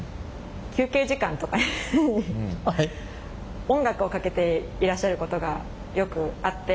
休憩時間とかに音楽をかけていらっしゃることがよくあって。